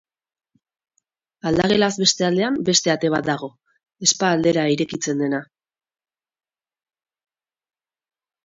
Aldagelaz beste aldean beste ate bat dago, Spa aldera irekitzen dena.